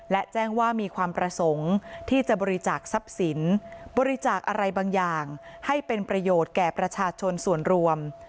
และแจ้งว่ามีความประสงค์ที่จะบริจาคทรัพย์สินบริจาคอะไรบางอย่างให้เป็นประโยชน์แก่ประชาชนส่วนรวม